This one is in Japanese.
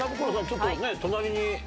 ちょっと隣に。